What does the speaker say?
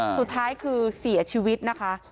สุดท้ายคือเสียชีวิตนะคะ